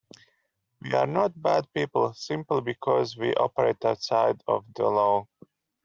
We are not bad people simply because we operate outside of the law.